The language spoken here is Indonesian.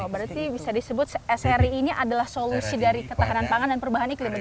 berarti bisa disebut sri ini adalah solusi dari ketahanan pangan dan perubahan iklim